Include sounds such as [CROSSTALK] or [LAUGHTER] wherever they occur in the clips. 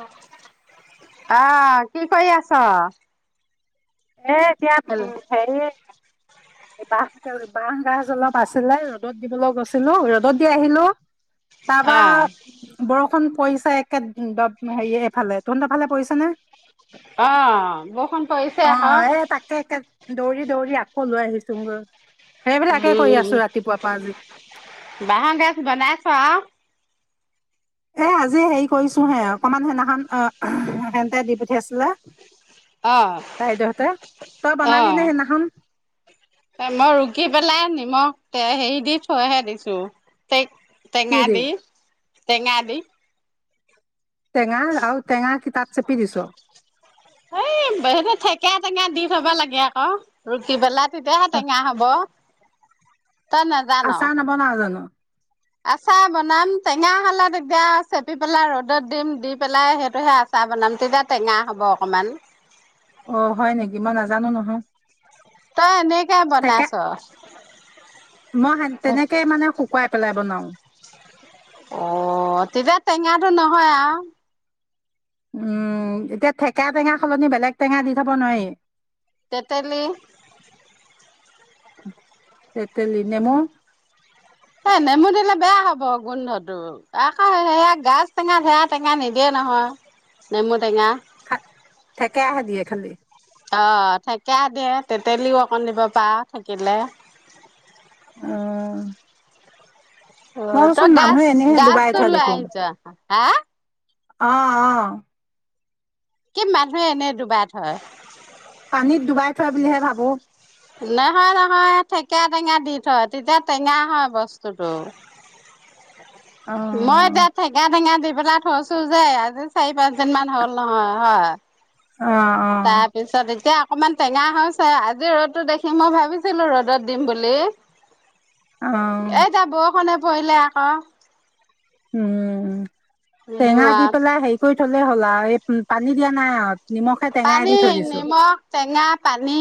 এ আহ, কি কৰি আছ ছ? এই এতিয়া, উম্ হেৰি, বাঁহ গাজ, বাঁহ গাজ অলপ আছিলে, ৰ'দত দিবলৈ গৈছিলো, ৰ'দত দি আহিলো। অ তাৰপৰা, বৰষ ষুণ পৰিছে একে উ দম হেৰিয়ে এইফালে। তহঁতৰ ফালে পৰিছেনে? অহ, বৰষুণ পৰিছে অহ, আকৌ এই তাকে এতিয়া দৌৰি দৌৰি আকৌ লৈ আহি চোঙগৈ উম, বাঁহৰ গাজ বনাইছ এ আজি হেৰি কৰিছো হে অকমান সেনাখন হেন্তে দি পঠিয়াইছিলে অ বাইদেউহঁতে, তই বনালি নে সেইদিনাখন এ মই ৰুকি পেলাই নিমখ তেল হেৰি দি থৈহে দিছোঁ তেঙা দি তেঙা দি টেঙা আও টেঙা কি তাত চেপি দিছ এই সেইটো থেকেৰা টেঙা দি থব লাগে আকৌ ৰুকি পেলাই তেতিয়াহে তেঙা হ'ব। তই নাজান আচাৰ নৱনাও জানো। আচাৰ বনাম, টেঙা হলে তেতিয়া চেপি পেলাই ৰ'দত দিম, দি পেলাই সেইটোহে আচাৰ বনাম তেতিয়া টেঙা হ'ব অকমান। অহ হয় নেকি, মই নাজানো নহয়। তই এনেকে থেকা বনাইছ মই সান তেনেকেই মানে শুকুৱাই পেলাই বনাওঁ। অহ তেতিয়া টেঙাটো নহয় আৰু উম এতিয়া ঠেকেৰা টেঙা সলনি বেলেগ টেঙা দি থব নোৱাৰি তেতেলী তেঁতেলী-নেমু অই নেমু দিলে বেয়া হ'ব গোন্ধটো, আকৌ সেয়া গাজ টেঙা সেয়া টেঙা নিদিয়ে নহয় নেমু টেঙা ঠেকেৰা হে দিয়ে খালি। অহ ঠেকেৰা দিয়ে তেতেলিও অকণ দিব পাৰা থাকিলে অহ অহ তই গাজ এনেহে ডুবাই গাজটো লৈ আহিছ হা অহ অহ। কি মানুহে এনেই ডুবাই থৈ। পানীত ডুবাই থৈ বুলিহে ভাবো। নহয় নহয়, ঠেকীৰা টেঙা দি থয় তেতিয়া টেঙা হয় বস্তুটো। অ মই তাত ঠেকেৰা টেঙা দি থছো যোয় আজি চাৰি পাঁচদিন মান হ'ল নহয় হয় অ অ তাৰপিছত এতিয়া, অকণমান টেঙা হৈছে আজি ৰ'দতটো দেখি মই ভাবিছিলো ৰ'দত দিম বুলি অ এতিয়া বৰষুণে, পৰিলে আকৌ, উম! নিদো টেঙা দি আও পেলাই হেৰি কৰি, থলে হ'লা এই পানী দিয়া নাই আত, পানী নিমখ টেঙা পানী,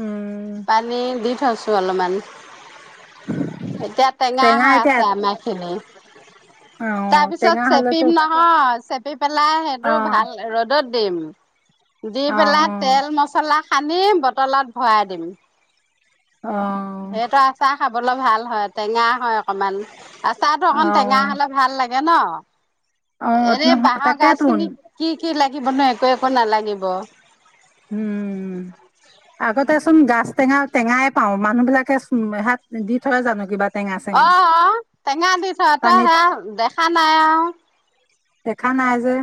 উম পানী দি থৈছো। টো অলপমান, এতিয়া টেঙা হৈ আছে আমাৰ খিনি, অ উ তাৰপিছত টেঙা হলেতো চেপিম নহয় চেপি পেলাই সেইটো অ ভাল ৰ'দত, দিম, দি অ পেলাই অ তেল মছলা, সানি বটলত ভৰাই দিম, অ', দেতৰ আছা খাবলৈ ভাল হয় টেঙা হয় অকণমান, তাতো অকন টেঙা অ', হ'লে ভাল লাগে জ ন, অ', এনে নহ বাঁহৰ গাজ তাকেতোন খিনি কি কি লাগি, লাগিবনো একো একো নালাগিব। উম আগতেচোন গাছ টেঙা টেঙাই পাও মানুহ বিিলাকে হাত দি থয় জানো কিবা টেঙা অ চেঙা অ টেঙা দি থ তই পানীত সেয়া দেখা নাই আৰু দেখা নাই যে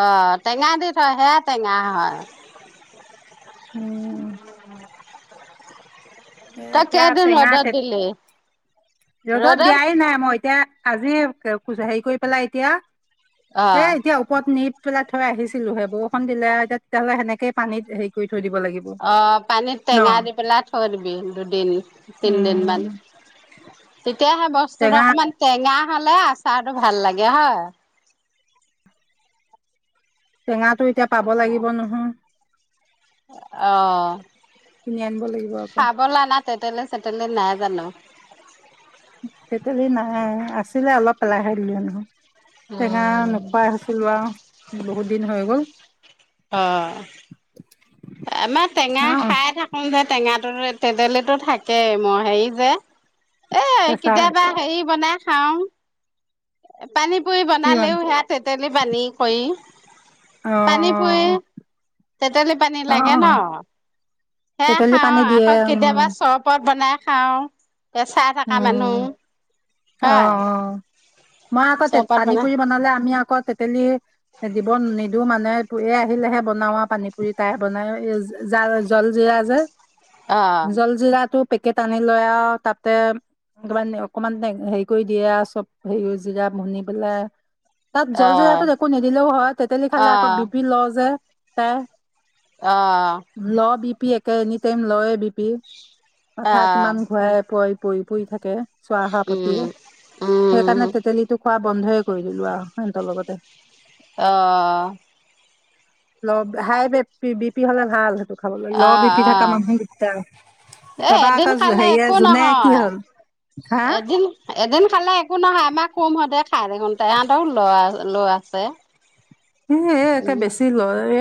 অ টেঙা দি থয় সেয়া টেঙা হয় উম উ এ তই এতিয়া কেইদিন ৰোডত দিলি ৰ'দতত ৰ'দত দিয়াই নাই মই এতিয়া আজি হেৰি কৰি পেলাই এতিয়া অ এ এতিয়া [UNINTELLIGIBLE] পেলাই থই আহিছিলোহে বৰষুণ দিলে তেতিয়া হ'লে সেনেকে পানীত হেৰি কৰি থৈ দিব লাগিব অ', পানীত ন টেঙা দি পেলাই থৈ দিবি দুদিন, তিনদিন উম, মান। এতিয়া সেই বস্তুটো টেঙা অকণমান টেঙা খালে আচাৰটো ভাল লাগে, হয়। টেঙাটো এতিয়া পাব লাগিব নহয় অ', কিনি আনিব লাগিব আকৌ খাবলে আনা তেতেলি চতেলি নাই। জানো। তেতেলি নাই, আছিলে অলপ পেলাই হে দিলো সেইদিনাখন। টেঙা নোখোৱাই হৈছিল আৰু বহুত দিন হৈ গ'ল। অ', আমাৰ টেঙা চাওঁ খাই থাকোঁ যে টেঙা তেতেলীটো থাকেই মই হেৰি যে এ প্ৰেছাৰ কেতিয়াবা হেৰি বনা খাও। পানী পুৰি কিমান বনালেও সেয়া তে তেতেলি পানী কৰি। অ পানী পুৰি, অ তেতেলি পানী অ লাগে ন। অ সেয়া তেতেলী খাও পানী দিয়ে আৰু উম কেতিয়াবা চৰবত বনাই খাওঁ। উম হয় অ', অ', মই আকৌ তে চৰবত পানী বনাই পুৰি বনালে আমি আকৌ তে তেলি দিব নিদিও মানে এই আহিলেহে বনাও আৰু পানী পুৰি তাই বনাই জা জল জিৰা যে। অ', জলজিৰাটো পেকেট আনি লৈ আনি আ তাত তাতে তমান অকমান হেৰি কৰি দিয়ে আৰু চব হে জিৰা বুনি পেলাই। তাত জল অ'। জিৰাটোত একো নিদিলেও হয় তেতেলী খালে আকৌ বিপি লো' যে। তে অঁ। পি একে এনি টাইম লয়ে বি পি। মাথা অ', কিমান ঘূৰাই প পৰি পৰি থাকে। চোৱাহোৱা প্ৰতি উম, উম, সেইকাৰণে তেতেলীটো খোৱা বন্ধয়ে কৰি দিলোঁ আৰু সিহঁতৰ লগতে। অঁ। ল হাই বিপি বিপি হলে ভাল সেইটো খাবলৈ অ', ল বিপি থকা অ', মানুহ দিগদা এ এদিন এবাৰে খালে হেৰিয়ে একো যোনে নহয়। এদিন এদিন খালে একো নহয় আমাক কম হঁতে খাই দেখোনতে ইহঁতৰ লৰা ল আছে এ একে উম, বেছি লয় এ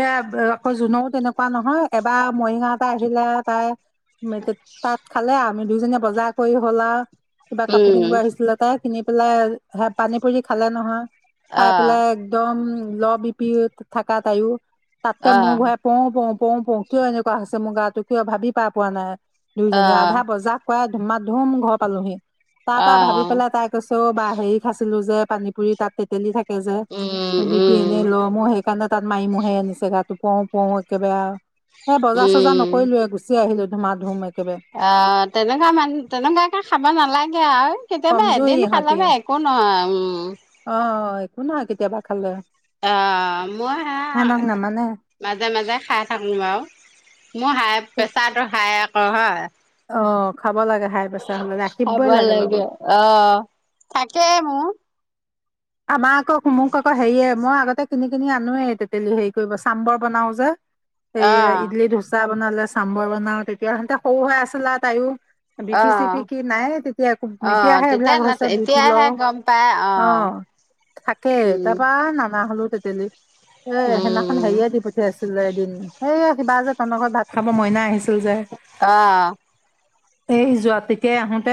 আকৌ জুনেও তেনেকুৱা নহয় এবাৰ মৰিগাও এটা আহিলে তাই মেট তাঁত খালে আমি দুইজনীয়ে বজাৰ কৰি হ'লা কিবা কাপোৰ উম, কিনিব আহিছিলে তাইক কিনি পেলাই হে পানী পুৰি খালে নহয়। খাই অ', পেলাই একদম ল বিপি থকা তায়ো তাতে মোৰ অ', ঘৰে পওঁ পওঁ পওঁ পও কিয় এনেকুৱা হৈছে মোৰগায়টো কিয় ভাবি পাই পোৱা নাই নিউজনে আধা অ', বজাত কুৱাই ধুমা ধুম ঘৰ পালোহি তাৰ পৰা ভাবি অ', পেলাই তাই কৈছে বা হেৰি খাইছিলো যে পানী পুৰি তাত তেতেলি থাকে থাকে যে উম, সি এনে উম, ল'ম সেইকাৰণে তাত মাৰিমহে আনিছে গাটো পও পো একেবাৰে এ বজাৰ চজাৰ উম। নকৰিলো গুচি আহিলো মা ধমে অ তেনেকুৱা মান তেনেকুৱে খাব নালাগে আৰু কেতিয়াবা কমজুৰি এদিন ইহঁতি খালাবা একো নহয় উম [INAUDIBLE] অ' একো নহয় কেতিয়াবা খালে [INAUDIBLE] অ' মই হে সিহঁতক নামানে মাজে মাজে খাই থাকো বাৰু মোৰ হাই [INAUDIBLE] পেছাত হা হয় [INAUDIBLE] অ' [INAUDIBLE] হাই প্ৰেছাৰ হলে ৰাখিবই ভাবাল লাগে লগত অহ থাকে মোৰ [INAUDIBLE] আমাৰ আকৌ মোক আকৌ হেৰিয়ে মই আগতে কিনি কিনি আনোৱেই তেতেলি হেৰি কৰিব চাম্বৰ বনাও যে [INAUDIBLE] আহ সয় ইডলি দোচা বনালে চাম্বৰ বনাওঁ তেতিয়াইহতে সৰু হৈ আছিল আৰু তাইও বিপি আহ চিপি কি নাই তেতিয়া আহ এতিয়াহে তেতিয়া এইবিলাক ন হৈছে বিপি এতিয়াহে লওঁ গম পাই আহ অ'। থাকে উম তাৰাপা নানা, খালো টেটেলি, এ সেনাখন উম হেৰিয়ে দি পঠিয়াইছে, এদিন এইয়া সিবা যে তহতৰ ঘৰত ভাত খাব মইনা আহিছিলে এদিন আহ। এই যোৱা তেতিয়াই আহোতে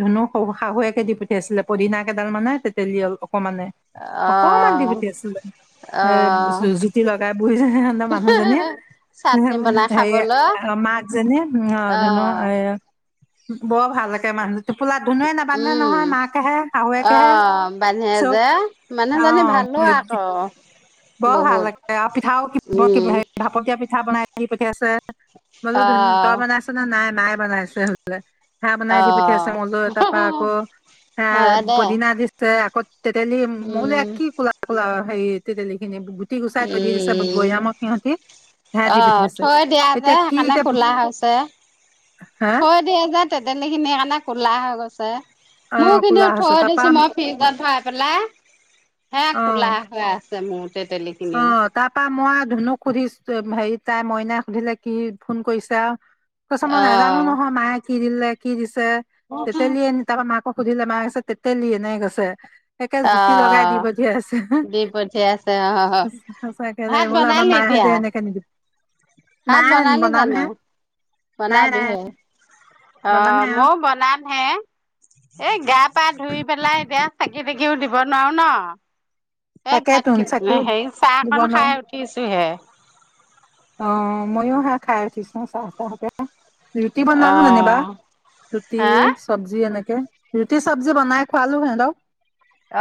ধুনু শ শাহুৱেকে দি পঠিয়াইছিলে পদদিনাকেইডাল মানে টেটেলি অক অকমানে অকমান দি আহ পঠি আছিলে এ আহ জুতি লগাই বুহিৰ মানুহজনী চাটনি বনাই হে খাবলৈ মাক যেনি ধুনু আহ এ বৰ ভাল একে মানুহ টোপোলা ধুনোৱে নাবান্ধে উম নহয় মাকেহে শাহুৱেকেহে বানে চব যে মানুহ জানি ভালো অ আকৌ বৰ ভাল বহুত লাগে আৰু পিঠাও উম ভাপতীয়া পিঠা বনাই দি পঠিয়াইছে মইলো ধুন আহ তই মানে আছ ন নাই মাই বনাইছে বোলে। হেয়া বনাই দি পঠিয়াইছে মইলো তাৰ পৰাা আহ আকৌ হে হয় দে পদিনা দিছে আকৌ তেতেলি মই বোলো উম কি কোলা কোলা। হেৰিত, টেটেলি খিনি, গুটি গুচাই তই দি দিছে উম বৈয়ামক সিহঁতি হেয়া দি অ', পঠিয়াইছে থৈ দিয়া যে এতিয়া কি সেইকাৰণে এতিয়া ক'লা হৈছে। হে থৈ দিয়া যোয় তেতেখিনি সেইকাৰণে কোলা হ কৈছে অ মোক কিন্তু কোলা হৈছে থৈ তাৰপা দিছো মই ফ্ৰিজত ভৰাই পেলাই হে অ কোলা হৈ আছে। টেমন তেঁতেলী অ খিনিও তাৰ পৰা মই ধুনুক শুদিছে, হেৰি তাই মইনাই সুধিলে কি ফোন কৰিছা আও তাৰপাছত মই নাজানো অ'। নহয় মায়ে কি দিলে, কি দিছে চে তেঁতেলী আনি তাৰ পৰা মাকক সুধিলে মায়ে, তাৰপাছত তেঁতেলী এনেকে কৈছে। একে জুতি লগাই দি অহ, দি পঠিয়াইছে আও সচাকে দে, বোলো আমাৰ মাহঁতে এনেকে নিদি, ভাত নাই বনালি বনাম হে জানো? বনাবিহে অহ, বনামহে আৰু মইয়ো বনাম হে এই গাত গা -পা ধুই পেলাই এতি়য়া চাকি বিক্ৰীও দিব নোৱাৰো নহ এ ভাত ক তাকেতোন চাকিও হেৰি চাহ দিব কন নোৱাৰো খাই উঠিছো হে। অ', ময়ো সেয়া খাই উঠিছোঁ চাহ টাহকে ৰুটি বনালো যেনিবা, অ'। ৰুটি, হা চব্জি এনেকে। ৰুটি চব্জি বনাই খোৱালো সিহঁতক।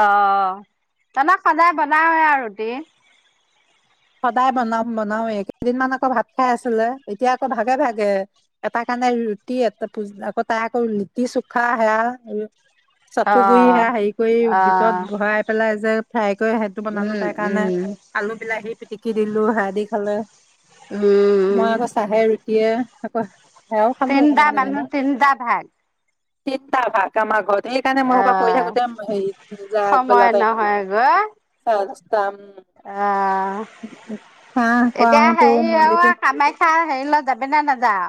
অ', তেনে সদায় বনাওয়ে আৰু। কি সদায় বনাম বনাওয়েই কেইদিনমান আকৌ ভাত খাই আছিলে এতিয়া আকৌ ভাগে ভাগে এটা কাৰণে ৰুটি আকৌ তাই আকৌ ৰুটি চুখা সেয়া চাটু গুৰি অহ সেয়া হেৰি কৰি ভিতৰত অহ ভৰাই পেলাই যে ফ্ৰাই কৰি সেইটো বনালো উম তাইৰ কাৰণে উম আলু বিলাহী পি দিলো সেয়া দি খালে। উম মই আকৌ চাহে ৰুটিয়ে আকৌ সেয়াও খালো তিনিটা অকমান মানু্হ যেনিবা তিনিটা ভাগ। তিনটা ভাগ আমাৰ ঘৰত সেইকাৰণে মই এই সোপা কৰি আহ থাকোতে, হেৰি যাই সময় আগবেলা টাইমটো এয়া চাহ এতিয়া খুৱাওতেও হেৰি অৱা মন্দিৰটো কামাখ্যা হেৰি লৈ, যাবি নে নেযাওঁ?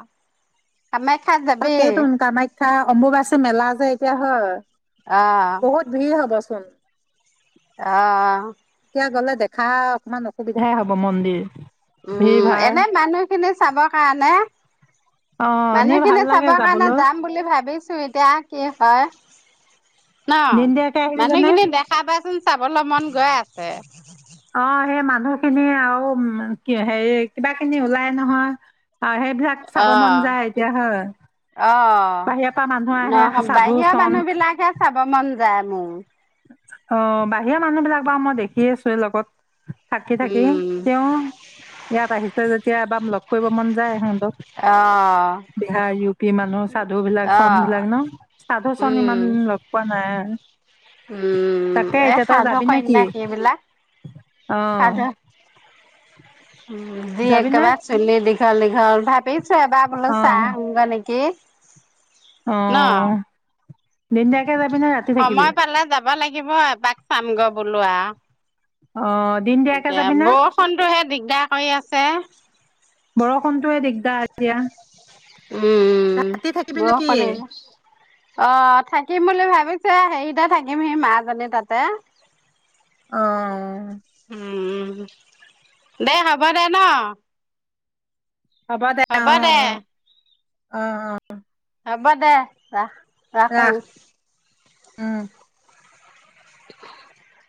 তাকেইটোন কামাখ্যা অম্বুবাছেী মেলা যে এতিয়া হয়! অহ বহুত ভিৰ হব চো চোন অ'। এতিয়া গ'লে দেখা অকণমান অসুবিধাই হ'ব মন্দিৰ। ভিৰ উম ভাৰ এনে মানুহখিনি চাব কাৰণে। অ এনেই ভাল মানুহখিনি চাব লাগে কাৰণে যাবলৈ যাম বুলি ভাবিছো এতিয়া কি হয়! ন? দিনদিয়াকে আহিলিগেনে মানুহখিনি দেখা পাই চোন চাবলৈ মন গৈ আছে। অ সেই মা মানুহ টখিনি আৰু উ হেৰি কিবা খিনি ওলাই নহয়। অ' সেইবিলাক চাব অ মন যায় এতিয়া হয়। অ বাহিৰ পৰা মানুহ নহ আহে সাধু বাহিৰৰ মানুহ চন্ত বিলাকহে চাব মন যায় মোৰ। সি আছে লগত। থাকি থাকি উম তেওঁ ইয়াত আহিছে যেতিয়া এবাৰ লগ কৰিব মন যায় সিহঁতক অ বিহাৰ ইউ পি মানুহ সাধু বিলাক অ চন বিলাক ন সাধু চন উম ইমান লগ পোৱা নাই [INAUDIBLE] উম তাকে এই এতিয়া তই সাধু যাবি নে কি সন্যাসীবিলাক অ সাধু জি যাবিনে একেবাৰে চুলি দীঘল দীঘল ভাবিছো এবাৰ বোলো চায় আহো গৈ নেকি! ন অহ দিন দিয়া সময় পালে যাব লাগিব এপাক চাম গ বলো আৰু অ দিন দিয়াকে এতিয়া যাবি না বৰষুণটো হে দিগদাৰ কৰি আছে বৰষুণতয়ে দিগদাৰ এতিয়া। উম উম। উম ৰাতি থাকিবি নেকি বৰষুণে। অ' থাকিম বুলি ভাবিছো এ হেৰিতে থাকিম সি মাজনীৰ তাতে অহ উম দেই হ'ব দে ন? হ'ব দে অ' অ' অ' অ'। হ'ব দে ৰাখ। ৰাখো ৰাখ উম [UNINTELLIGIBLE]